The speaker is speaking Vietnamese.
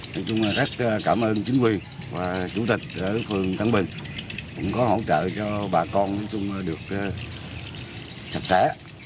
nói chung là rất cảm ơn chính quyền và chủ tịch ở phường tân bình cũng có hỗ trợ cho bà con được sạch sẽ